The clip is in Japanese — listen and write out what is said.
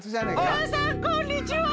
皆さんこんにちは！